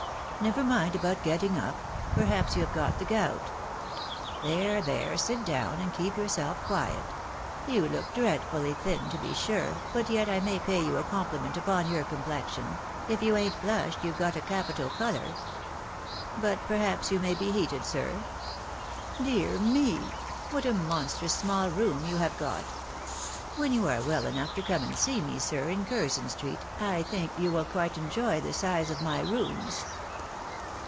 Never mind about getting up ; perhaps you have got the gout. There, there, sit down, and keep yourself quiet ; you look dreadfully thin, to be sure, but yet I may pay you a compliment upon your complexion : if you ain't flushed, you've got a capital colour. But perhaps you may be heated, sir? Dear me ! what a monstrous small room you have got ! When you are well enough to come and see me, sir, ia Curzon street, you wiU quite enjoy the size of my rooms."